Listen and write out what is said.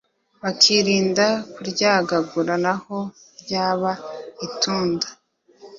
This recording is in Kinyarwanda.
bakirinda kuryagagura naho ryaba itunda